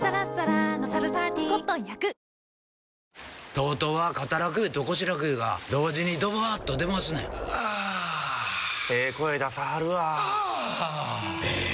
ＴＯＴＯは肩楽湯と腰楽湯が同時にドバーッと出ますねんあええ声出さはるわあええ